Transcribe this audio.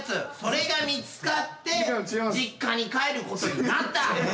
それが見つかって実家に帰ることになった。